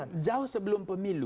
sebetulnya jauh sebelum pemilu